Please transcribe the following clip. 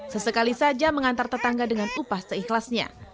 sesekali saja mengantar tetangga dengan upah seikhlasnya